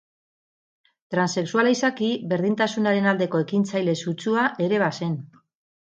Transexuala izaki, berdintasunaren aldeko ekintzaile sutsua ere bazen.